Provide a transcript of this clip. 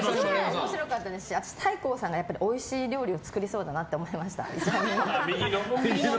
面白かったですし右の方がおいしい料理を作りそうだなって思いました。